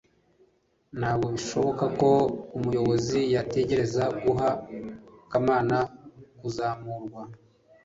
ntabwo bishoboka ko umuyobozi yatekereza guha kamana kuzamurwa